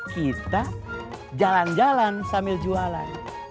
kita jalan jalan sambil jualan